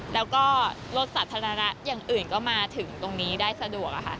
แล้วก็รถสาธารณะอย่างอื่นก็มาถึงตรงนี้ได้สะดวก